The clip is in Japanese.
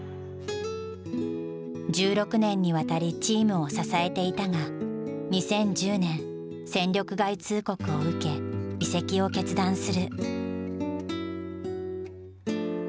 １６年にわたりチームを支えていたが２０１０年戦力外通告を受け移籍を決断する。